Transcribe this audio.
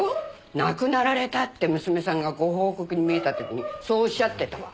亡くなられたって娘さんがご報告に見えた時にそうおっしゃってたわ。